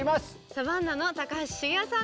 サバンナの高橋茂雄さんです。